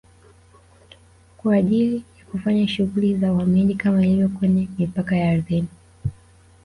kwa ajili ya kufanya shughuli za uhamiaji kama ilivyo kwenye mipaka ya ardhini